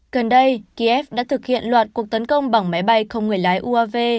gần đây kiev đã thực hiện loạt cuộc tấn công bằng máy bay không người lái uav